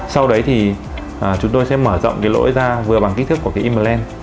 sau đấy thì chúng tôi sẽ mở rộng cái lỗ ra vừa bằng kích thước của cái im lên